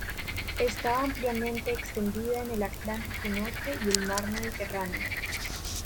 Está ampliamente extendida en el Atlántico norte y el mar Mediterráneo.